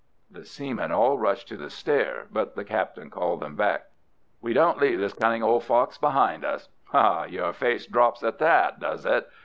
The seamen all rushed to the stair, but the captain called them back. "We don't leave this cunning old fox behind us. Ha, your face drops at that, does it?